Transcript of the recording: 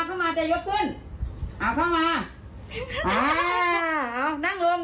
เร็วเผาตะกะพ่อตะกะเออเออเย็นเก่งเก่งเก่งเข้ามาไม่ได้เอาครั้งมี